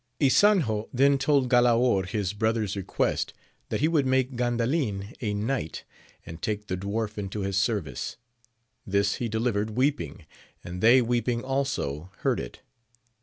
Ysanjo then told Galaor his brother's request that he would make Grandalin a knight, and take the dwarf into his service : this he delivered weeping, and they weeping also heard it.